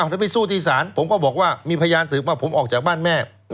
แล้วไปสู้ที่ศาลผมก็บอกว่ามีพยานสืบว่าผมออกจากบ้านแม่